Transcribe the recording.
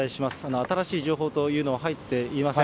新しい情報というのは入っていません。